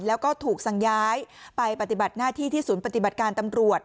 แล้วก็ถูกสั่งย้ายไปปฏิบัติหน้าที่ที่ศูนย์ปฏิบัติการตำรวจ